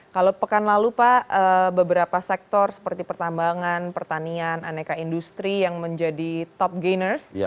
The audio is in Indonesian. kalau pekan lalu pak beberapa sektor seperti pertambangan pertanian aneka industri yang menjadi top gainers